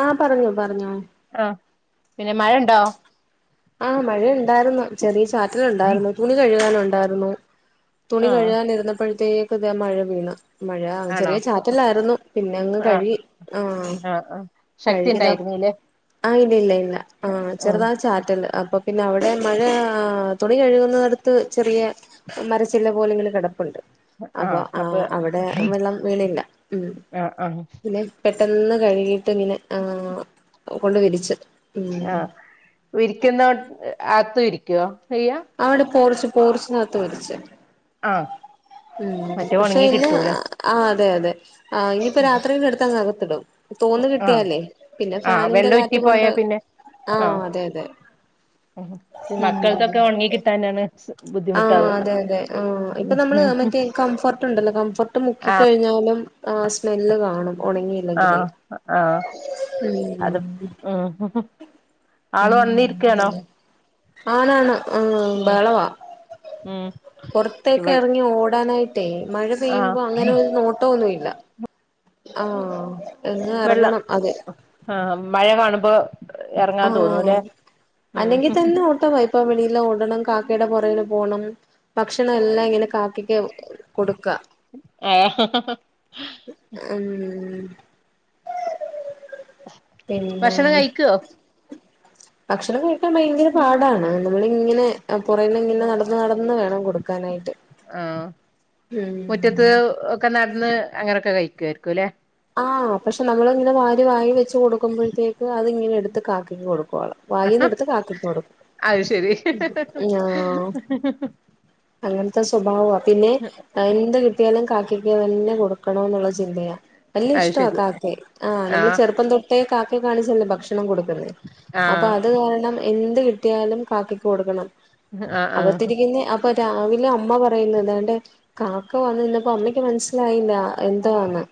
ആഹ് പറഞ്ഞോ പറഞ്ഞോ ആഹ് പിന്നെ മഴ ഉണ്ടോ ആഹ് മഴ ഇണ്ടായിരുന്നു ചെറിയ ചാറ്റില് ഉണ്ടായിരുന്നു തുണി കഴുകാനുണ്ടായിരുന്നു തുണി ആഹ് കഴുകാനിരുന്നപ്പോഴത്തേക്ക് ഇതാ മഴ വീണ് മഴ ചെറിയ ആഹ് ചാറ്റല്ലായിരുന്നു പിന്നെ അങ്ങ് ആഹ് കഴുകി ആഹ് ആഹ് ശക്തി കഴുകിതാ ഉണ്ടായിരുന്നല്ലേ ആഹ് ഇല്ല ഇല്ല ഇല്ല ആഹ് ഉം ചെറുതാ ചാ- പറ്റല്ല അപ്പൊ പിന്നെ അവിടെ മഴ തുണി കഴുകുന്നടുത്ത് ചെറിയ മരച്ചില്ല പോലെങ്കിലും കിടപ്പുണ്ട് അപ്പൊ ആ അവിടെ വെള്ളം വീണില്ല ഉം ആഹ് ആഹ് പിന്നെ പെട്ടെന്ന് കഴുകിട്ട് പിന്നെ ആഹ് കൊണ്ട് വിരിച്ചത് ആഹ് ഇരിക്കുന്ന അകത്ത് ഇരിക്കു അയ്യ അവിടെ പോർച്ച് പോർച്ച്നകത്താ വിരിച്ചേ ആഹ് ഉ മറ്റേ പക്ഷെ ഉണങ്ങി ഇന്ന് കിട്ടൂല ആ് അതെ അതെ ആ ഇനിയിപ്പോ രാത്രിന്റെ അടുത്താ അകത്തിടും തോന്നു ആഹ് കിട്ടിയല്ലേ പിന്നെ ആഹ് ഫാനിന്റെ വെള്ളം കാറ്റ് ഉറ്റി കൊണ്ട് പോയാ പിന്നെ ആഹ് അതെ അതെ ഇ മക്കൾക്കൊക്കെ ഉണങ്ങി കിട്ടാാനാണ്സ് - ആഹ് അതെ അതെ ആഹ് ഇപ്പൊ നമ്മള് മറ്റേ കംഫോർട്ട്ണ്ടല്ലോ കംഫോർട്ട് മുക്കികഴിഞ്ഞാ- ന്നാലും ആഹ് സ്മെല്ല് കാണും ഉണങ്ങിയില്ലെങ്കിലേ ആഹ് ആഹ് അത് ഉം ഉം ഉം ആള് വന്നിരിക്കയാണോ ആണ് ആണ് ഉം ബഹളവ ഉം ഇവ പുറത്തേക്ക് ഇറങ്ങി ഓടാനായിട്ടേ മഴ ആഹ് പെയ്യുമ്പോ അങ്ങനെ ഒരു നോട്ടംന്നുല്ല ആഹ് എന്ന് വെള്ളം ഇറങ്ങണം അതെ ആഹ് മഴ കാണുമ്പോ ഇറങ്ങാൻ തോന്നുല്ലെ ഉം അല്ലെങ്കി തന്നെ ആഹ് ഇപ്പൊ വെളിയില് ഓടണം കാക്കയുടെ പുറകില് പോണം ഭക്ഷണം എല്ലാം ഇങ്ങനെ കാക്കയ്ക്ക് കൊടുക്ക യ്ഹ് ഉം പിന്നെ ഭക്ഷണം കഴിക്കുവോ ഭക്ഷണം കഴിക്കാൻ ഭയങ്കര പാടാണ് നമ്മളിങ്ങനെ ആഹ് പുറേകെ ഇങ്ങനെ നടന്ന് നടന്ന് വേണം കൊടുക്കാനായിട്ട് ആഹ് ഉം മുറ്റത്ത് ഒക്കെ നടന്ന് അങ്ങനൊക്കെ കഴിക്കുവായിരിക്കുല്ലെ ആഹ് പക്ഷെ നമ്മളിങ്ങനെ വാരി വായില് വെച്ച് കൊടുക്കുമ്പഴത്തേക്ക് അത്ങ്ങനെ എടുത്ത് കാക്കക്ക് കൊടുക്കുവാ വായിന്ന് എടുത്ത് കാക്കക്ക്‌ കൊടുക്കും അത് ശരി [unintelligible] അങ്ങനത്തെ സ്വഭാവവാ പിന്നെ എന്ത് കിട്ടിയാലും കാക്കയ്ക്ക് തന്നെ കൊടുക്കണ എന്നുള്ള ചിന്ത വല്യ അത് ഇഷ്ടവാ ശരി കാക്കയെ ആഹ് നമ്മള് ചെറുപ്പം തൊട്ടേ കാക്ക ക്കയെ കാണിച്ചല്ലേ ഭക്ഷണം കൊടുക്കുന്നത് അപ്പൊ ആഹ് അത് കാരണം എന്ത് കിട്ടിയാലും കാക്കക്ക് കൊടുക്കണം ആഹ് ആഹ് അകത്തിരിക്കുന്ന അ ഇപ്പൊ രാവിലെ അമ്മ പറയുന്നത് ഇതാണ്ടേ കാക്ക വന്ന് നിന്നപ്പോ അമ്മയ്ക്ക് മനസ്സിലായില്ല എന്താന്ന്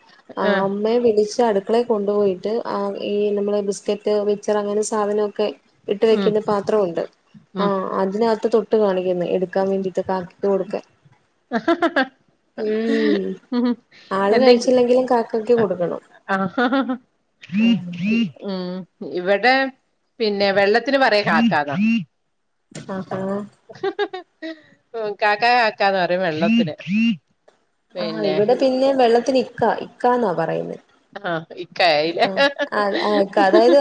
ആഹ് അമ്മയെ വിളിച്ച് അടുക്കളെ കൊണ്ടുപോയിട്ട് ആഹ് ഈ നമ്മളെ ബിസ്കറ്റ് വെ ച്ചറങ്ങനെ സാധനമൊക്കെ ഇട്ട് ഉം വെക്കുന്ന പാത്രമുണ്ട് ഉം ആ അതിനകത്ത് തൊ ട്ട് കാണിക്ക്ന്നു എടുക്കാൻ വേണ്ടിട്ട് കാക്കക്ക് കൊടുക്കാൻ ഉം ആള് എന്തെങ്കെ കഴിച്ചില്ലെങ്കിലും [inaudible] കാക്കക്ക് കൊടുക്കണം ഉം ഇവിടെ പിന്നെ വെള്ളത്തിന് പറയ കാക്കാന്നാ അഹാ കാക്ക കാക്കന്നറയും വെള്ളത്തിന് ആഹ് പിന്നെ ഇവിടെ പിന്നെ വെള്ളത്തിന് ഇക്കാ ഇക്കാന്നാ പറയുന്നെ ആഹ് ഇക്ക ആയിലെ ആഹ് ആഹ് ആഹ് ഇക്ക അതായത്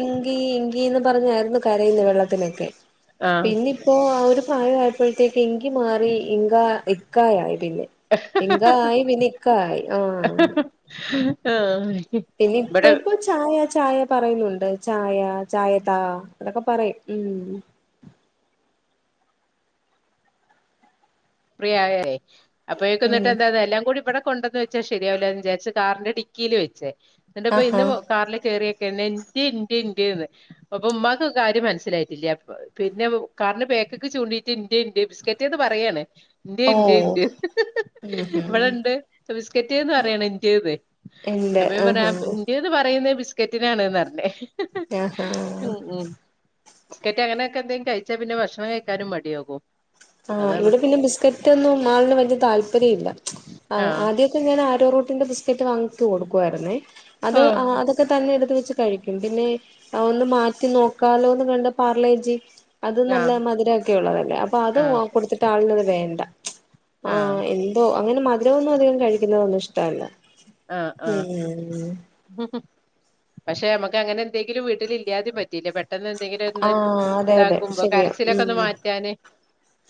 ഇങ്കി ഇങ്കിന്ന് പറഞ്ഞായിരുന്നു കരയുന്നെ വെള്ളത്തിനൊക്കെ ആഹ് പിന്നി ഇപ്പോ ആ ഒരു പ്രായ ആയപ്പോഴത്തേക്കു ഇങ്കി മാറി ഇങ്ക ഇക്കായായി പിന്നെ ഇങ്ക ആയി പിന്നെ ഇക്ക ആയി ആഹ് ആഹ് പിന്നെ ഇപ്പൊ ഇവിടെ ഇപ്പൊ ചായ ചായ പറയുന്നുണ്ട് ചായ ചായ താ അതൊക്കെ പറയും ഉം [unintelligible] അപ്പൊഴേക്കുന്നിട്ട് ഉം എന്താ എല്ലാം കൂടി വിടെ കൊണ്ടെന്ന് വെ ച്ചാ ശരിയാവില്ല എന്ന് വിചാരിച്ച് കാറിന്റെ ഡിക്കിയില് വെച്ചേ എന്നിട്ട് ഇപ്പ ആഹാ ഇന്ന് കാറില് കേറിയേക്കെന്നെ ന്റ് ന്റ് ന്റ്ന്ന് അപ്പൊ ഉമ്മാക്ക് കാര്യം മനസ്സിലായിട്ടില്ല അപ്പൊ പിന്നെ കാറിന്റെ ബേക്കിക്ക് ചൂണ്ടീട്ട് ഇന്റ് ഇന്റ് ബിസ്ക്കറ്റ്ന്ന് പറയാണ് ഇന്റ് ഓ ഇന്റ് ഇന്റ് ഉം ഹും ഇവിടെ ഇണ്ട് ബിസ്കറ്റന്ന് പറയാണ് ഇന്റ്ന്ന് ഉണ്ട് അപ്പ ഞാൻ പറഞ്ഞു ആഹാ ആഹ് ഇന്റ്ന്ന് പറയുന്നെ ക്കറ്റിനാണ് ന്നറഞ്ഞ് ആഹാ ഉം ഉം ബിസ്ക്കറ്റ് അങ്ങനെ ഒക്കെ എന്തെങ്കിലും കഴിച്ചാ പിന്നെ ഭക്ഷണം കഴിക്കാനും മടിയാകൂ ആഹ് ഇവിടെ പിന്നെ ബിസ്കറ്റ് ഒന്നും ആളി ന് വല്യ താല്പര്യം ഇല്ല ആഹ് ആദ്യം ഞാൻ ആരോ റൂട്ടിന്റെ ബിസ്ക്കറ്റ് വാങ്ങിത്തു കൊടുക്കു ആരുന്നേ അത് ആ ആഹ് ഒക്കെ തന്നെ എടുത്ത് വെച്ച് കഴിക്കും പിന്നെ ഒന്ന് മാറ്റി നോക്കാലോന്ന് കണ്ട് പാർലേജി അത് നല്ല ആഹ് മധുരം ഒക്കെ ഉള്ളതല്ലേ അപ്പൊ അത് ആഹ് കൊടുത്തിട്ട് ആളിനത് വേണ്ട ആ ആഹ് ഓ അങ്ങനെ മധുരൊന്നും അധികം കഴിക്കുന്നതൊന്നും ഇഷ്ടവല്ല ആഹ് ആഹ് പക്ഷെ നമ്മക്ക് അങ്ങനെ എന്തേങ്കിലും വീട്ടിൽ ഇല്ലാതേം പറ്റില്ല പെ പെട്ടെന്ന് എന്തെങ്കിലും ഒന്ന് ആഹ് അതെ അതെ ഇതാകുമ്പോ ശരിയാ കരച്ചിലൊക്കെ ഉം ഒന്ന് മാറ്റാന്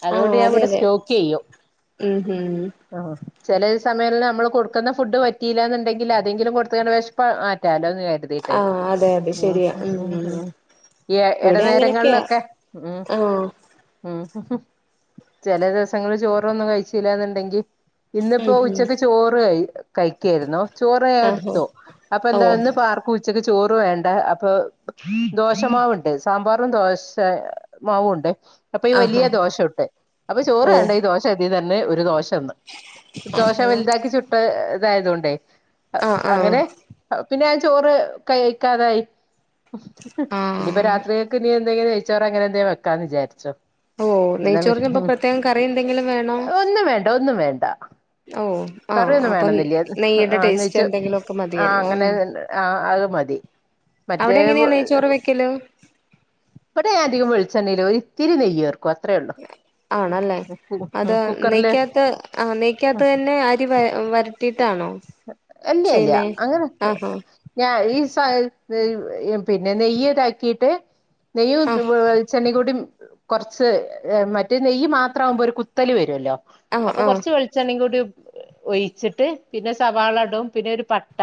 അതു ആഹ് കൊണ്ട് ഞാൻ അതെ ഇവിടെ അതെ സ്റ്റോക്ക് ചെയ്യും ഉം ഉം ചെല സമയെല്ലം നമ്മള് കൊടുക്കുന്ന ഫുഡ് പ പറ്റിലന്ന്ണ്ടെങ്കില് അതെങ്കിലും കൊടുത്ത കാണ്ട് വിശപ്പ് മാറ്റാലോന്ന് കരു കരുതീട്ടെ ആഹ് അതെ അതെ ഉം ശരിയാ ഉം [inaudible] ഈ ഇവിടെ അങ്ങനെയൊക്കെയാ എടനേരങ്ങളിലൊക്കെ ഉം ആഹ് ഉം ചെല ദിവസങ്ങളിൽ ചോറൊന്നും കഴിച്ചീല്ലന്നിണ്ടെങ്കി ഇന്നിപ്പോ ഉം ഉം ഉച്ചക്ക് ചോറ് കഴിക്കായിരുന്നു ചോറ് ആഹാ എടുത്തു ഓ അപ്പന്താ ഇന്ന് പാർ ഉച്ചക്ക് ചോറ് വേണ്ട അപ്പൊ ദോശമാവു ഉണ്ട് സാമ്പാറും ദോശ മാവുണ്ട് അപ്പൊ ഈ ആഹാ വലിയ ദോശ ചുട്ട് അപ്പൊ ചോറ് ഓ വേണ്ട ഈ ദോശ മതിന്ന് പറഞ്ഞ് ഒരു ദോശ തിന്ന് ദോശ ആഹ് വലുതാക്കി ചുട്ട് ഇതായതൊണ്ടേ ആഹ് അങ്ങനെ പിന്നെ ആ ചോറ് കഴിക്കാതായി ഇനിയിപ്പ ആഹ് രാത്രി ക്കിനി എന്തെങ്കിലു നെയ്‌ച്ചോറോ അങ്ങനെ എന്തെ വെക്കാന്ന് വിചാരിച്ചു ഓ എന്താ നെയ്ച്ചോറിനിപ്പോ [unintelligible] പ്രത്യേകം കറി എന്തെങ്കിലും ഒന്നും വേണ്ട ഒന്നും വേണ്ട ഓഹ് ആഹ് കറിയൊന്നും അപ്പൊ വേണെന്നില്ല ആ നെയ്യുടെ ടേസ്റ്റ് നെയ്ച്ച എന്തെങ്കിലു ഒക്കെ ആ മതിയല്ലോ ഉം അങ്ങനെ ആ അത് മതി മറ്റേ അവിടെ എങ്ങനെയാ നെയ്ചോറ് വെക്കല് ഇവിടെ അധികം വെളിച്ചെണ്ണയിലോ ഒരി ഇത്തിരി നെയ് ചേർക്കും അത്രേ ഉള്ളൂ ആണല്ലേ അത് കുക്കറില് നെയ്ക്കാത്ത് ആ ഉം നെയ്ക്കാത്ത് തന്നെ അരി വ വരട്ടീ ട്ടാണോ ഇല്ല ഇല്ല അങ്ങനെ ഞാ ഈ സ പിന്നെ നെയ്യ് ഇതാക്കിയിട്ട് നെയ്യും ആഹ് വെളി വെളിച്ചെണ്ണകൂടി കുറച്ച് മറ്റേ നെയ്യ് മാത്രം ആവുമ്പോ ഒരു കുത്തല് വരുല്ലോ ആഹ് അപ്പൊ ആഹ് കൊറച്ച് വെളി വെളിച്ചെണ്ണയും കൂടി ഒഴിച്ചിട്ട് പിന്നെ സവാള ഇടും പിന്നെ ഒരു പട്ട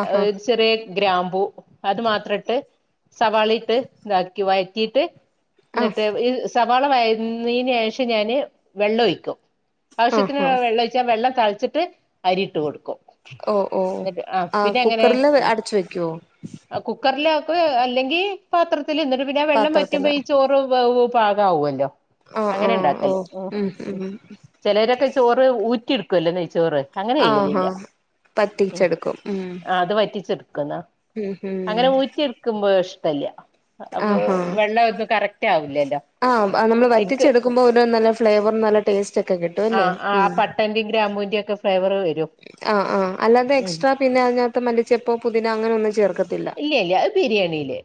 ആഹാ ചെറിയ ഗ്രാമ്പൂ അത് മാത്ര ഇട്ട് സവാളയും ഇട്ട് വയറ്റിയിട്ട് എന്നിട്ട് ആഹ് ഈ സ സവാള വയുന്നതിന് ശേഷം ഞാൻ വെള്ളം ഒഴിക്കും ആവശ്യത്തിന് ആഹാ വെള്ളം ഒഴി ച്ച്‌ വെള്ളം തൾച്ചിട്ട് അരിട്ട് കൊടുക്കും ഓ ഓ ആ കുക്കറില് അടച്ച് വെക്കുവോ കുക്കറിൽ ആക്കും അല്ലെങ്കി പാത്രത്തിൽ എന്നിട്ട് പിന്നെ ആ വെള്ളം വറ്റുമ്പോ പാത്രത്തില് ഈ ചോറ് വേവും പാകാവു അല്ലോ ആ അങ്ങനെ ആ ഓ ഉണ്ടാക്കല് ഉം ഉം ചിലരൊക്കെ ചോറ് ഊറ്റി എടുക്കു അല്ലോ നെയ് ചോറ് അങ്ങനെ ആഹാ ചെയ്യലില്ല ഉം വറ്റിച്ചെടുക്കും ഉം ആ അത് വറ്റിച്ചിടുക്കുന്നാ ഉം ഉം അങ്ങനെ ഊറ്റി ക്കുമ്പോ ഇഷ്ടല്ല അപ്പൊ ആഹാ വെള്ള ഒന്നും കറക്റ്റ് ആവൂല്ലല്ലോ ആ നമ്മള് വറ്റിച്ചെടുക്കുമ്പോൾ ഒരു നല്ല ഫ്ലേവറും നല്ല ടേസ്റ്റ് ഒക്കെ കിട്ടും ആ അല്ലേ ആ ഉം പട്ടന്റെയും ഗ്രാമ്പൂവിന്റെ ഒക്കെ ഫ്ലേവർ വരും ആ ആഹ് അല്ലാതെ ഉം എക്സ്ട്രാ പിന്നെ അതിനകത്ത് മലിച്ചെപ്പോ പുതിന അങ്ങനെ ഒന്നും ചേർക്ക ഇല്ല ഇല്ല അഹ് ബിരിയാണില്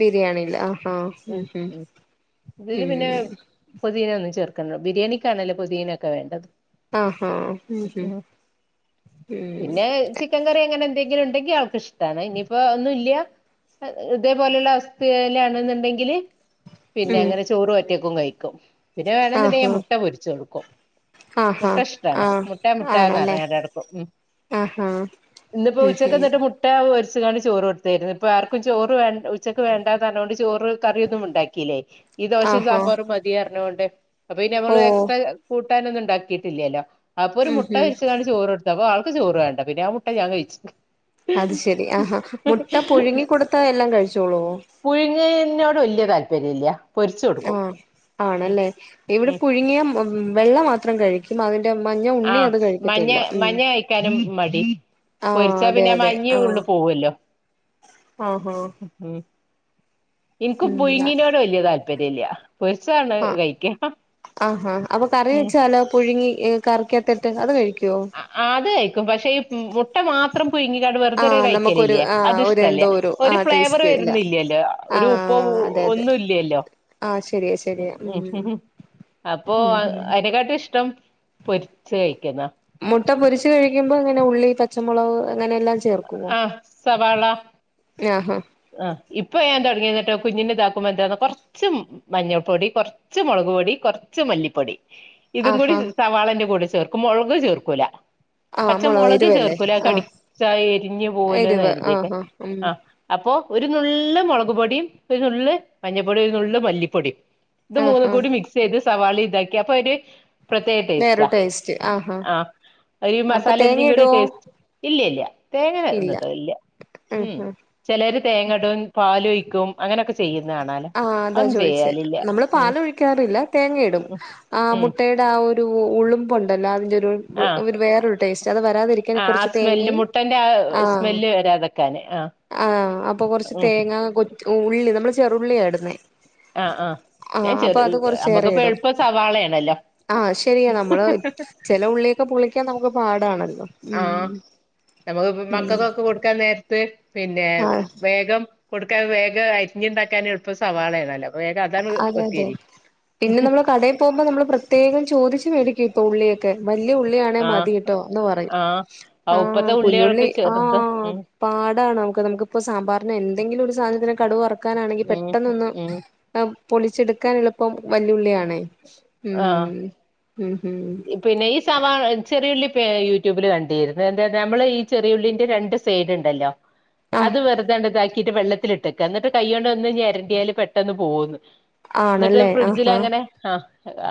ബിരിയാണിയില് ആ ഹാ ഉം ഉം ഇതില് പിന്നെ പൊതീന ഒന്നും ചേർക്കണ്ടാ ബിരിയാണിക്കാണല്ലോ പോതീനൊക്കെ വേണ്ടത് ആഹ് ഹാ ഉം ഉം പിന്നെ ചിക്കൻ കറി അങ്ങനെ എന്തെങ്കിലും ഉണ്ടെങ്കിൽ ആൾക്ക് ഇഷ്ടാണ് ഇനിയിപ്പോ ഒന്നുല്ല്യ ഏഹ് ഇതേപോലെയുള്ള അവസ്ഥയ്ലാണെന്നുണ്ടെ ങ്കില് പിന്നെ ഉം അങ്ങനെ ചോറ് ഒറ്റക്കും കഴിക്കും പിന്നെ വേണന്നുണ്ടെങ്കി ആഹാ ഞാൻ മുട്ട പൊരിച്ചു കൊടുക്കും ആഹാ മുട്ട ഇഷ്ടാണ് ആ മുട്ട ആണല്ലേ മുട്ടാന്നർഞ്ങ്ങാണ്ട് നടക്കും ഉം ആഹാ ഉച്ചക്കെന്നിട്ട് മുട്ടാപൊരിച്ചിങ്ങാണ്ട് ചോറ് കൊടുത്താരുന്നു ഇപ്പൊ ആർക്കും ചോറ് വേണ്ട ഉച്ചയ്ക്ക് വേണ്ടാന്നർഞ്ഞെ കൊണ്ട് ചോറ് കറിയൊന്നും ഉണ്ടാക്കില്ലേ ഈ ദോശയും ആഹാ സാമ്പാറും മതീർഞ്ഞകൊണ്ട് അപ്പൊ ഓ പിന്നമ്മള് എക്സ്ട്രാ കൂ ട്ടാനൊന്നും ണ്ടാക്കിട്ടില്യാല്ലോ അപ്പൊ ഒരു ഉം മുട്ട ഉം പൊരിച്ച്ങ്ങാണ്ട് ചോറ്ടുത്ത് അപ്പൊ ആൾക്ക് ചോറ് വേണ്ട പിന്നെ ആ മുട്ട ഞാൻ കഴിച്ച് അത് ശെരി ആഹാ മുട്ട പുഴുങ്ങി കൊടുത്ത എല്ലാം കഴിച്ചോളൂവൊ പുഴുങ്ങേന്നോട് വല്യ താല്പര്യല്ല്യാ ആഹ് ആണല്ലേ ഇവിടെ ഉം പുഴുങ്ങിയ മ്മ് മ്മ് വെള്ള മാത്രം കഴിക്കും അതിന്റെ മഞ്ഞ ഉണ്ണി ആഹ് അത് മഞ്ഞ കഴിക്കത്തില്ല ഉം മഞ്ഞ കഴിക്കാനും മടി ആഹ് പൊരിച്ചാ അതെ പിന്നെ അതെ മഞ്ഞ ഉള്ള് ആഹ് പോവല്ലോ ആഹാ ഉം ഇൻക്ക് ഉം പുഴുങ്ങീനോട് വല്യ താല്പര്യല്ല്യാ പൊരിച്ചതാ ആഹ് ആഹാ അപ്പൊ കറി ഉം വെച്ചാലോ പുഴുങ്ങി ഏഹ് കറിക്കാത്ത്ട്ട് അത് കഴിക്ക്വൊ ആഹ് അത് കഴിക്കും പക്ഷേ ഈ മുട്ട മാത്രം പുയ്ങ്ങികാണ്ട് വെറുതൊര് ആഹ് നമുക്കൊരു കഴിക്കലില്ലേ ആഹ് അത് ഒരു ഇഷ്ടല്ല എന്തോ ഒരു ആഹ് ഫ്ലേവറ് ടേസ്റ്റ് ഇല്ല വരുന്നില്യാല്ലോ ഒരു ഉപ്പോ ആഹ് അതെ അതെ ഒന്നും ഇല്യാല്ലോ ആഹ് ശെരിയാ ശെരിയാ ഉം അപ്പോ അഹ് അയ്നെക്കാട്ടും ഇഷ്ടം പൊരിച്ച് കഴിക്ക്ന്നാ മുട്ട പൊരിച്ച് കഴിക്കുമ്പോ ഇങ്ങനെ ഉള്ളി പച്ചമുളവ് അങ്ങനെയെല്ലാം ചേർ ചേർക്കുവോ ആഹ് സവാള ങ്ങ്യാഹാ ആഹ് ഇപ്പൊ ഞാൻ തൊടങ്ങിയതാട്ടോ കുഞ്ഞിനെതാക്കുമ്പോ എന്താന്നോ കൊറച്ചും മഞ്ഞൾപ്പൊടി കൊറച്ച് മൊളക് പൊടി കൊറച്ച് മല്ലിപ്പൊടി ഇതും കൂടി ആഹാ സവാളെന്റെ കൂടെ ചേർകൂ ക്കും മൊളക് ചേർക്കൂല ആഹ് പച്ച മുളക് മൊളക് എരുവല്ലേ ചേർക്കൂലാ അത് കടി ആഹ് ച്ചായെരിഞ്ഞ് പോവല്ലോന്ന് എരിവ് കരുതീട്ട് ആഹാ ഉം ആഹ് അപ്പൊ ഒരു നുള്ള് മൊളക് പൊടിയും ഒരു നുള്ള് മഞ്ഞപ്പൊടിയും ഒരു നുള്ള് മല്ലിപ്പൊടിം ഇത് മൂന്നും ആഹാ കൂടി മിക്സെയ്ത് സവാളേം ഇതാക്കി അപ്പൊര് പ്രത്യേക വേറൊരു ടേസ്റ്റാ ടേസ്റ്റ് ആഹാ ആഹ് ഒരു അപ്പൊ തേങ്ങ മസാലേന്റെംകൂടി ഇടുവോ ടേസ്റ്റ് ഇല്ല്യ ഇല്ല്യ തേങ്ങ ഇല്ല ഒന്നൂടലില്ല്യ ഉം ചെലര് തേങ്ങടും പാലൊയ്ക്കും ആഹ് അതാ ചോയിച്ചേ ചെയ്യാലില്ല നമ്മള് ഉം പാലൊഴിക്കാറില്ല തേങ്ങയിടും ഉം ആഹ് ഉം മുട്ടയു ടാ ഒരു ഉളുമ്പൊണ്ടല്ലോ അതിന്റൊരു ആഹ് ഒരു വേറൊരു ടേസ്റ്റ് അത് വരാതിരിക്കാൻ ആഹ് ആ കൊറച്ച് സ്മെല്ല് തേങ്ങയും മുട്ടന്റെ ആ ആഹ് സ്മെല്ല് വരാതെക്കാന് ആഹ് ആഹ് അപ്പൊ കൊറച്ച് ഉം തേങ്ങാ കൊച് ഉള്ളി നമ്മള് ചെറുള്ളിയാ ഇടുന്നേ ആഹ് ആഹ് ഞാൻ ആഹ് അപ്പൊ അത് ചെറ്ള്ളിയാ കൊറച്ചേറെ നമ്മുക്കിപ്പം ഇടും എളുപ്പം സവാളയാണല്ലോ ആഹ് ശരിയാ നമ്മള് ചെല ഉള്ളിയക്കെ പൊളിക്കാൻ നമുക്ക് പാടാണല്ലോ ആഹ് ഉം നമുക്ക്പ്പം മക്കക്കൊക്കെ കൊടുക്കാൻ നേരത്ത് പിന്നേ ആഹ് വേഗം കൊടുക്കാൻ വേഗം അരിഞ്ഞുണ്ടാക്കാനെൾപ്പം സവാളേണല്ലോ വേഗ അതങ്ങ്ട് കൊത്തിയരിയും പോകുമ്പം നമ്മള് പ്രത്യേകം ചോദിച്ച് മേടിക്കും ഇപ്പൊ ഉള്ളിയൊക്കെ വല്യ ഉള്ളിയാണേ ആഹ് മതിട്ടോ എന്ന് പറയും ആഹ് ആഹ് ഇപ്പത്തെ കുഞ്ഞുള്ളി ഉള്ളികളൊക്കെ ചെറുത് ആഹ് ഉം പാടാണ് നമുക്ക് നമുക്കിപ്പ സാമ്പാറിനാ എന്തെങ്കിലും ഒരു സാധനത്തിനെ കടുവറക്കാനാണെങ്കി ഉം പെട്ടെന്നൊന്നും ഉം അഹ് പൊളിച്ചെടുക്കാനെളുപ്പം വല്യുള്ളിയാണേ ഉം ആഹ് ഉം ഉം ഉം പിന്നെ ഈ സവാ ചെറിയുള്ളി പേ യൂട്യൂബില് കണ്ടിരുന്നു എന്ത നമ്മള് ഈ ചെറിയുള്ളിന്റെ രണ്ട് സൈഡ്ണ്ടല്ലോ ആഹ് അത് വെറുതേണ്ട്താ ക്കീട്ട് വെള്ളത്തിലിട്ടെക്കാ ന്നട്ട് കയ്യോണ്ടൊന്ന് ഞരടിയാല് പെട്ടെന്ന് പോകുംന്ന് ന്നട്ട് ആണല്ലേ ആഹ് ആഹ് ഫ്രിഡ്ജിലങ്ങനെ ആഹ്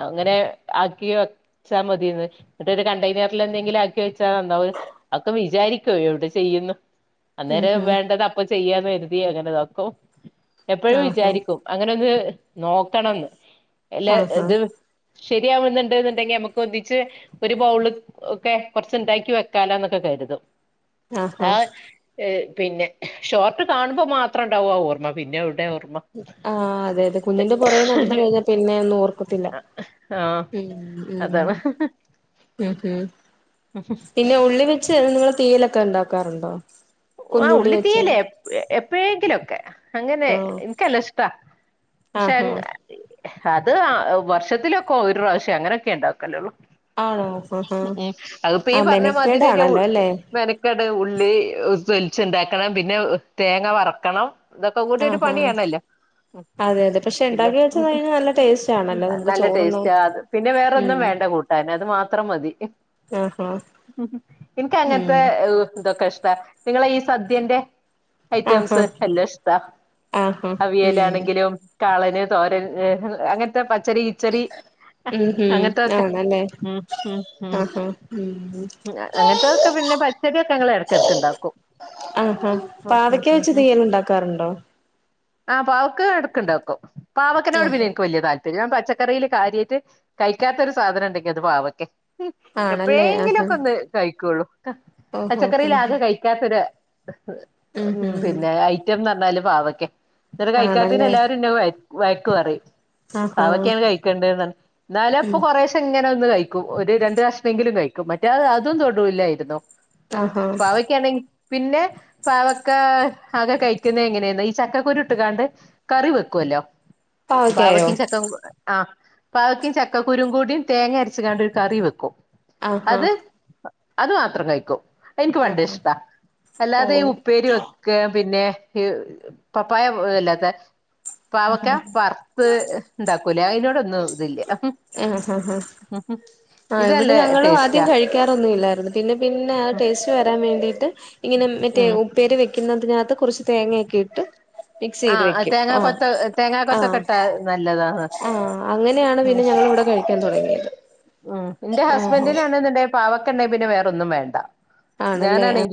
അങ്ങനെ ആക്കി വെച്ചാ മതിയെന്ന് ന്നട്ടൊരു കണ്ടെയ്നറിലെന്തെങ്കിലും ആ ക്കി വച്ചാ നന്നാവും അക്കെ വിചാരിക്കും എവിടെ ചെയ്യുന്നു ഉം അന്നേരം ഉം വേണ്ടത പ്പൊ ചെയ്യാന്ന് കരുതി അങ്ങനെതാക്കും എപ്പോഴും ആഹാ വിചാരിക്കും അങ്ങനെ ഒന്ന് നോക്കണംന്ന് എല്ലാ ആഹാ ഇത് ശരിയാവുന്നുണ്ട് ണ്ടെങ്കി നമുക്കൊന്നിച്ച് ഒരു ബൗള് ഒക്കെ കുറച്ച്ണ്ടാക്കി വെക്കാലന്നൊക്കെ കരുതും ആഹാ ആഹ് ഏഹ് പിന്നെ ഷോർട്ട് കാണുമ്പോ മാത്രംണ്ടാവാ ഓർമ്മ പിന്നെ എവടെ ഓർമ്മ ആഹ് അതെ അതെ കുഞ്ഞിന്റെ പുറകെ നടന്ന് കഴിഞ്ഞാ പിന്നെ ഒന്നും ഓർക്കത്തില്ല ആഹ് ഉം ഉം ഉം അതാണ് ഉം പിന്നെ ഉള്ളിവെച്ച് നിങ്ങള് തീയലൊക്കെ ഉണ്ടാക്കാറുണ്ടോ ആഹ് കുഞ്ഞുള്ളി വെച്ച് ഉള്ളിത്തീയല് എപ്പോഴേങ്കിലൊക്കെ അങ്ങനെ ആ ൻക്കല്ലഷ്ടാ പക്ഷെ ആഹാ അത് വർഷത്തിലൊക്കെ ഒരു പ്രാവശ്യം അങ്ങനെയൊക്കേ ഉണ്ടാക്കല്ലോള്ളു ആണോ ആഹാ ഉം അത്പ്പീ ആ പർഞ്ഞ മാതിരിന്നെ ഉ മെനക്കേടാണല്ലോ അല്ലേ മെനക്കേട് ഉള്ളി തൊലിച്ച്ണ്ടാക്കണം പിന്നെ തേങ്ങ വറക്കണം തൊക്കെ കൂടി ഒരു ആഹാ പണിയാണല്ലോ ഉം അതെ അതെ പക്ഷെ പിന്നെ ഉണ്ടാക്കി വെച്ച് കഴിഞ്ഞാൽ നല്ല ടേസ്റ്റ് ആണല്ലോ നമുക്ക് നല്ല ചോറുണ്ണാൻ ടേസ്റ്റാ അത് പിന്നെ വേറൊന്നും ഉം വേണ്ട കൂട്ടാന് അത് മാത്രം മതി ആഹ് ഹാ ഇൻക്കങ്ങൻത്തെ തൊക്കെഷ്ട നിങ്ങളെ ഈ സദ്യന്റെ ഐറ്റംസ് ആഹാ എല്ലാം ഇഷ്ടാ ആഹാ ഉം അവിയലാണെങ്കിലും കാളന് തോരൻ അങ്ങൻ തെ പച്ചടി ഇച്ചടി ഉം ഉം അങ്ങൻത്തൊക്കെ ആണല്ലേ ഉം ഉം ഉം ആഹാ ഉം അങ്ങനത്തതൊക്കെ പിന്നെ പച്ചടിയൊക്കെ ഞങ്ങളെടക്കെടക്ക്‌ണ്ടാക്കും ആഹ് ഹാ പാവക്ക വെച്ച് തീയല്ണ്ടാക്കാറുണ്ടോ ആഹ് പാവക്ക് എടുക്കണ്ടാക്കും പാവക്കനോട് പിന്നെ എനിക്ക് വലിയ താൽ പിനെ ഞൻ പച്ചക്കറിൽ കാര്യായ്ട്ട് കഴിക്കാത്തൊരു സാധനം ഉണ്ടെങ്കിൽ അത് പാവക്കെ ആണല്ലേ ആഹാ എപ്പയേങ്കിലൊക്കെ ഒന്ന് കഴിക്കുള്ളൂ ഓഹോ പച്ചക്കറിയില ഉം ആകെ കഴിക്കാത്തൊരു ഉം പിന്നെ ഐ റ്റം ന്നർഞ്ഞാല് പാവക്കെ ന്നട്ട് കഴിക്കാത്തയ്ന് ആണല്ലേ എല്ലാരും ന്നെ വയക്കുവറി ആഹാ പാവക്കെയാണ് കഴിക്കേണ്ടത് ന്നാലപ്പൊ കുറേഷ് എങ്ങനെ ഒന്ന് കഴിക്കും ഒരു രണ്ട കഷ്ണങ്കിലും കഴിക്കും മറ്റേ അതും തൊടൂല്ലായിരുന്നു ഓഹ് ഹോ ക്ക്യാണെ പിന്നെ പാവക്ക ആകെ കഴിക്കുന്ന എങ്ങനെന്ന് ഈ ചക്കക്കുരു ഇട്ടുകാണ്ട് കറി വെക്കുവല്ലോ പാവക്കായോ പാവക്കിൻ ചക്ക ആഹ് പാവക്കിം ചക്കക്കുരു കൂടിയും തേങ്ങ അരച് കാണ്ട് ഒരു കറി വെക്കും ആഹാ അത് അത് മാത്രം കഴിക്കൂ അയ് ഇൻക്ക് പണ്ടേ ആഹാ ഇഷ് താ ഓ അല്ലാതെ ഈ ഉപ്പേരി വെക്ക പിന്നെ ഈ പപ്പായ അല്ലാത്ത പാവക്ക വർത്ത് ഇണ്ടാക്കുലെ അയ്നോടൊന്നും ഇതില്ല [unintelligible] ആഹ് ഇവിടെ ഇതല്ലേ ഞങ്ങളും ആദ്യം ടേസ്റ്റാ കഴിക്കാറൊന്നും ഇല്ലായിരുന്നു പിന്നെ പിന്നെ ആ ടേസ് വരാൻ വേണ്ടിട്ട് ഇങ്ങനെ മറ്റേ ഉം ഉപ്പേര് വെക്കുന്നതിനകത്ത് കുറച്ച് തേങ്ങയൊക്കെ ഇട്ട് മിക്സ് ആ ചെയ്ത് വെക്കും തേങ്ങാ ആഹ് കൊത്ത് തേങ്ങാ കൊത്തൊക്കെ ആഹ് ഇട്ടാ നല്ലതാന്ന് ആഹ് അങ്ങനെയാണ് ഉം പിന്നെ ഞങ്ങളിവിടെ കഴിക്കാൻ തുടങ്ങിയത് ഉം ഇന്റെ ആഹാ ഹസ്ബന്റിനാണെന്ന്ണ്ടെങ്കി പാവക്കണ്ടെങ്കി പിന്നെ വേറൊന്നും വേണ്ട ആണല്ലേ ഞാനാണ് ആഹ്